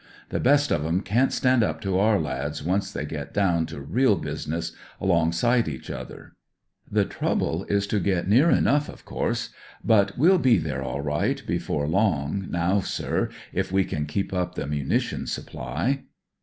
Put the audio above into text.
The best of em can't stand up to our lads once tht \ get down CO rea business alongsi '■ eaci other. The tre ble is to get near .01 g of ourse. But we'll be ther a i.ght bef( rp loig, now, sir, if w. a . ep up the o uni^ions supply.